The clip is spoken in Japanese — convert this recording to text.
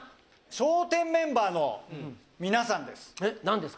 笑点メンバーの皆さんです。